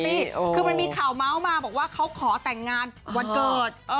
คือมันมีข่าวเมาส์มาบอกว่าเขาขอแต่งงานวันเกิด